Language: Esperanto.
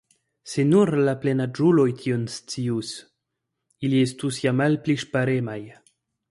Se nur la plenaĝuloj tion scius, ili estus ja malpli ŝparemaj.